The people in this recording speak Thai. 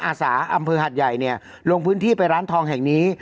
อาสาอำเภอหัดใหญ่เนี่ยลงพื้นที่ไปร้านทองแห่งนี้